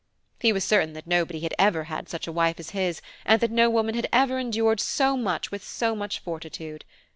He was certain that nobody had ever had such a wife as his, and that no woman had ever endured so much with so much fortitude.